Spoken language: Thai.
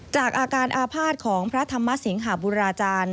จากอาการอาภาษณ์ของพระธรรมสิงหาบุราจารย์